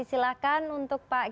silakan untuk pak heri